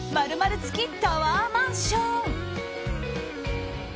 ○○付きタワーマンション。